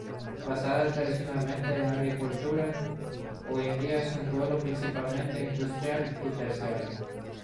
Basada tradicionalmente en la agricultura, hoy día es un pueblo principalmente industrial y terciario.